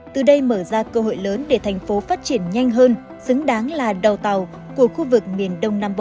từ đây mở ra cơ hội lớn để thành phố phát triển nhanh hơn xứng đáng là đầu tàu của khu vực miền đông nam bộ